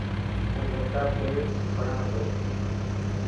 هون ليپٽاپ تي پڙهان تو.